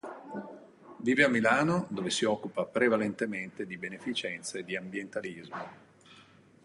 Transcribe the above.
Vive a Milano, dove si occupa prevalentemente di beneficenza e di ambientalismo.